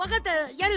やる！